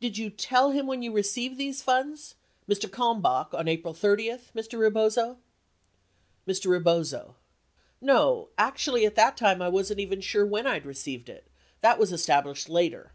Did you tell him when you had received these funds — Mr. Kalmbach, on April 30, Mr. Rebozo? Mr. Rebozo. No. Actually at that time I wasn't even sure when I'd received it. That was established later.